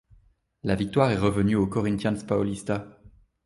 La victoire est revenue au Corinthians Paulista.